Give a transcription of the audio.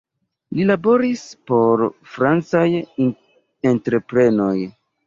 Li laboris por francaj entreprenoj.